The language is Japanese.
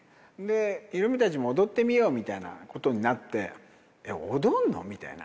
ヒロミたちも踊ってみようみたいなことになって、え、踊んの？みたいな。